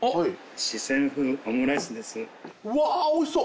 うわおいしそう！